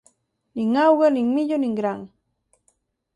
Nin auga, nin millo, nin gran.